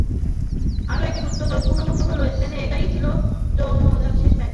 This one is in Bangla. আরও একটি গুরুত্বপূর্ণ তথ্য হলো স্পেনে সেটাই ছিল জামোরার শেষ ম্যাচ।